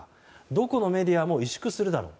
どこのメディアも委縮するだろう